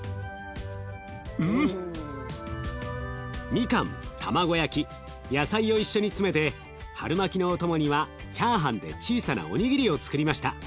みかん卵焼き野菜を一緒に詰めて春巻きのお供にはチャーハンで小さなおにぎりをつくりました。